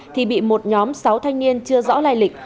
thì bị một nhóm sáu thanh niên chưa rõ lai lịch